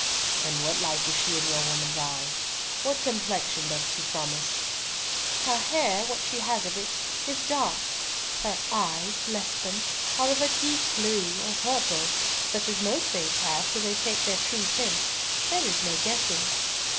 "And what like is she in your woman's eyes? What complexion doth she promise?" "Her hair, what she has of it, is dark; her eyes—bless them—are of a deep blue, or purple, such as most babes have till they take their true tint. There is no guessing.